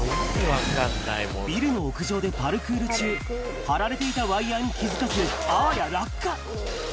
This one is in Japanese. ビルの屋上でパルクール中、張られていたワイヤーに気付かず、あわや落下。